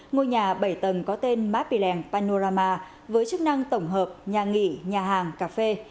ngôi nhà bảy tầng có tên má pì lèng panorama với chức năng tổng hợp nhà nghỉ nhà hàng cà phê